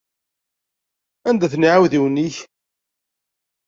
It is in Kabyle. Anda-ten iɛudiwen-ik?